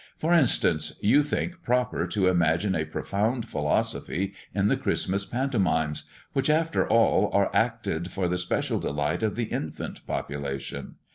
For instance, you think proper to imagine a profound philosophy in the Christmas pantomimes, which, after all, are acted for the special delight of the infant population.